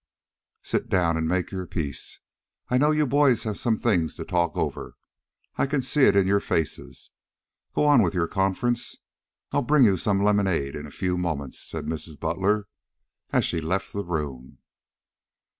"Sit down and make your peace. I know you boys have some things to talk over. I can see it in your faces. Go on with your conference. I'll bring you some lemonade in a few moments," said Mrs. Butler, as she left the room.